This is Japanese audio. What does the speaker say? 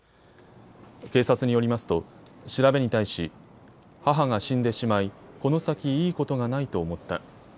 警察によりますと調べに対し母が死んでしまいこの先いいことがないと思った。